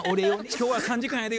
「今日は３時間やで」